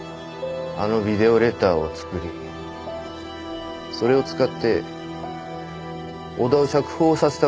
あのビデオレターを作りそれを使って小田を釈放させたかった。